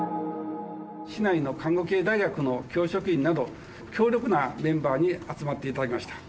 市内の看護系大学の教職員など、強力なメンバーに集まっていただきました。